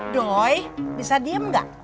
doi bisa diem gak